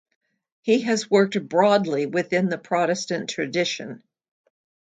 He has worked broadly within the Protestant tradition.